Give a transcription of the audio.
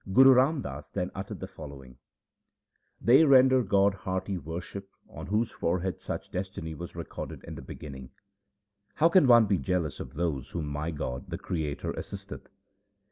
Guru Ram Das then uttered the following :— They render God hearty worship on whose forehead such destiny was recorded in the beginning. How can one be jealous of those whom my God the Creator assisteth